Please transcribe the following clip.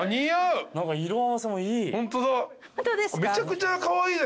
何か色合わせもいい。